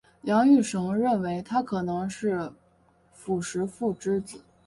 梁玉绳认为他可能是虢石父之子。